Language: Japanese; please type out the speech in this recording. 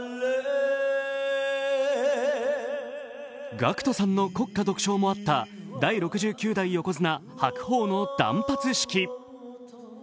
ＧＡＣＫＴさんの国歌独唱もあった第６９代横綱・白鵬の断髪式。